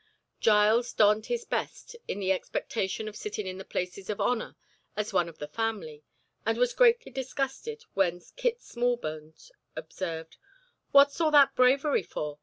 Giles donned his best in the expectation of sitting in the places of honour as one of the family, and was greatly disgusted when Kit Smallbones observed, "What's all that bravery for?